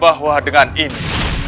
bahwa dengan ini